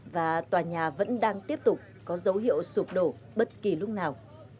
và tòa nhà vẫn đang tiếp tục có dấu hiệu sụp đổ bất kỳ lúc nào